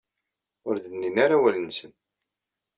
Ur d-nnin ara awal-nsen.